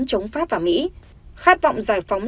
chống pháp và mỹ khát vọng giải phóng